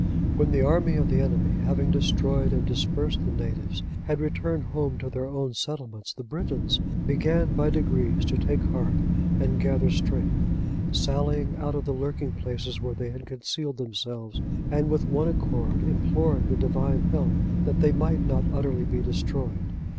When the army of the enemy, having destroyed and dispersed the natives, had returned home to their own settlements,(89) the Britons began by degrees to take heart, and gather strength, sallying out of the lurking places where they had concealed themselves, and with one accord imploring the Divine help, that they might not utterly be destroyed.